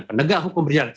pendagang hukum berjalan